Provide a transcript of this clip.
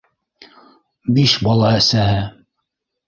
Биш бала әсәһе.